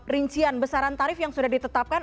rincian besaran tarif yang sudah ditetapkan